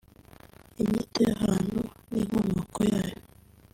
Inyito y’ahantu n’inkomoko yayo